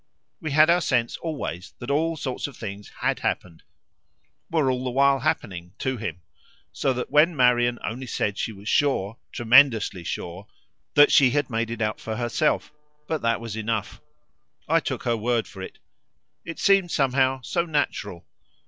We had our sense always that all sorts of things HAD happened, were all the while happening, to him; so that when Marian only said she was sure, tremendously sure, that she had made it out for herself, but that that was enough, I took her word for it it seemed somehow so natural.